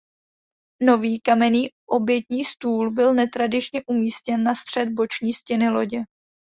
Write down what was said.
Nový kamenný obětní stůl byl netradičně umístěn na střed boční stěny lodě.